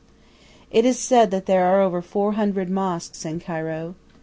It is said that there are over four hundred mosques in Cairo.